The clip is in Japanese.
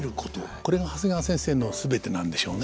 これが長谷川先生の全てなんでしょうね。